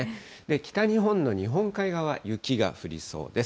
北日本の日本海側、雪が降りそうです。